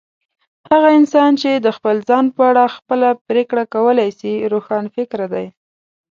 هغه انسان چي د خپل ځان په اړه خپله پرېکړه کولای سي، روښانفکره دی.